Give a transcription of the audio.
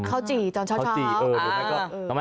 ข้าวจี่จอนเช้า